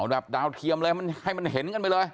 อ๋อแบบดาวเทียมเลยให้มันเห็นกันไปเลย